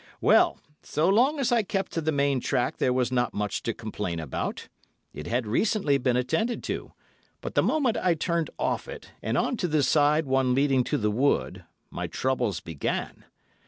"Well, so long as I kept to the main track there was not much to complain about—it had recently been attended to, but the moment I turned off it, and on to the side one leading to the wood, my troubles began.